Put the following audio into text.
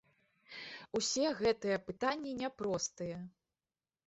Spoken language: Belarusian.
Усе гэтыя пытанні няпростыя.